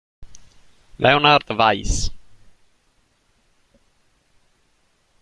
Leonhard Weiß